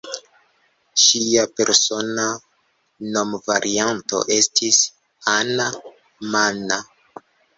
Ŝia persona nomvarianto estis "Anna-manna".